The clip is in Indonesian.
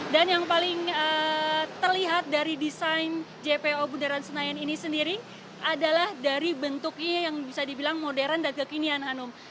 dan yang paling terlihat dari desain jpo bundaran senayan ini sendiri adalah dari bentuknya yang bisa dibilang modern dan kekinian hanum